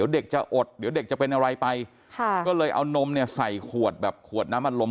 เด็กจะอดเดี๋ยวเด็กจะเป็นอะไรไปค่ะก็เลยเอานมเนี่ยใส่ขวดแบบขวดน้ำอารมณ์